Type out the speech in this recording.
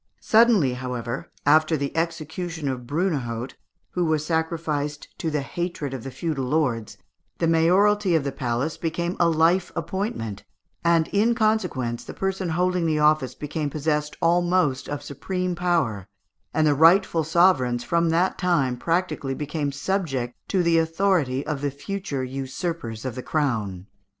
Suddenly, however, after the execution of Brunehaut, who was sacrificed to the hatred of the feudal lords, the mayoralty of the palace became a life appointment, and, in consequence, the person holding the office became possessed almost of supreme power, and the rightful sovereigns from that time practically became subject to the authority of the future usurpers of the crown.